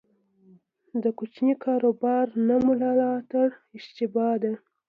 د کوچني کاروبار نه ملاتړ اشتباه ده.